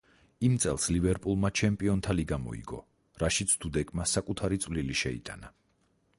იმ წელს ლივერპულმა ჩემპიონთა ლიგა მოიგო, რაშიც დუდეკმა საკუთარი წვლილი შეიტანა.